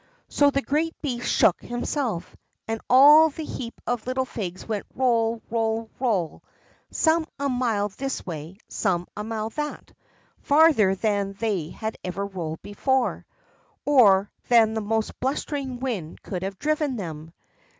So the great beast shook himself, and all the heap of little figs went roll, roll, roll—some a mile this way, some a mile that, farther than they had ever rolled before or than the most blustering wind could have driven them.